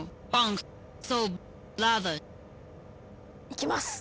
いきます！